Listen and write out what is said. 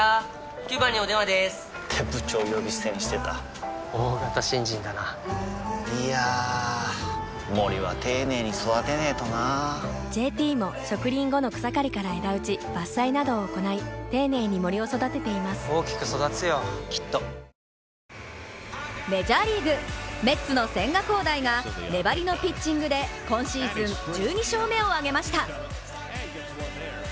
９番にお電話でーす！って部長呼び捨てにしてた大型新人だないやー森は丁寧に育てないとな「ＪＴ」も植林後の草刈りから枝打ち伐採などを行い丁寧に森を育てています大きく育つよきっとメジャーリーグ、メッツの千賀滉大が粘りのピッチングで今シーズン１２勝目を挙げました。